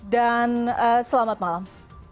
dan selamat malam